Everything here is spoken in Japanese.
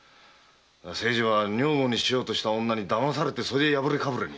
清次は女房にしようとした女にだまされて破れかぶれに。